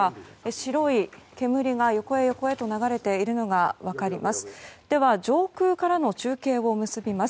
白い煙が横へ横へと流れているのが分かります。